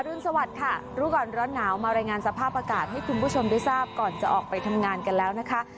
รุนสวัสดิ์ค่ะรู้ก่อนร้อนหนาวมารายงานสภาพอากาศให้คุณผู้ชมได้ทราบก่อนจะออกไปทำงานกันแล้วนะคะ